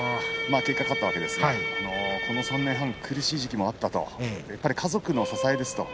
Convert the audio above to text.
結果、勝ったわけですがこの３年間苦しい時期もあったとやっぱり家族の支えです。